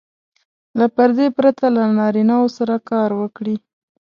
له پردې پرته له نارینه وو سره کار وکړي.